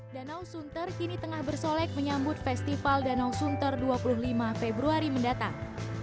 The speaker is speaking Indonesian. danau sunter kini tengah bersolek menyambut festival danau sunter dua puluh lima februari mendatang